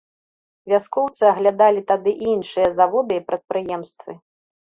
Вяскоўцы аглядалі тады і іншыя заводы і прадпрыемствы.